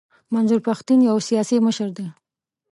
منظور پښتین یو سیاسي مشر دی.